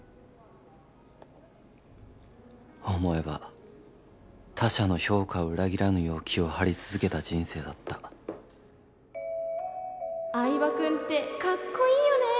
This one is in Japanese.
思えば他者の評価を裏切らぬよう気を張り続けた人生だった相葉くんってかっこいいよね！